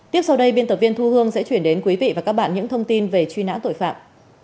tiếp sau đây biên tập viên thu hương sẽ chuyển đến quý vị và các bạn những thông tin về truy nã tội phạm